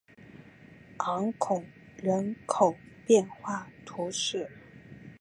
昂孔人口变化图示